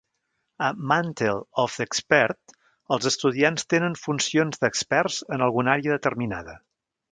A Mantle of the Expert, els estudiants tenen funcions d'experts en alguna àrea determinada.